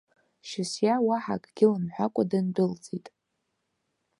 Шьасиа уаҳа акгьы лымҳәакәа дындәылҵит.